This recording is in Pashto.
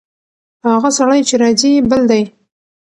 هغه سړی چې راځي، بل دی.